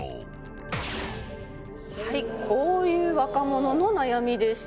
はいこういう若者の悩みでした。